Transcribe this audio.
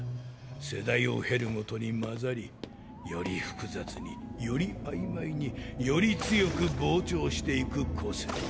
世代を経るごとに混ざりより複雑により曖昧により強く膨張していく個性。